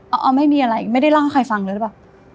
เอาไม่มีั๊ยไม่ได้เล่าให้ใครฟังเลยวะ